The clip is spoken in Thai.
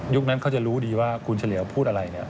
ยุคนั้นเขาจะรู้ดีว่าคุณเฉลี่ยพูดอะไร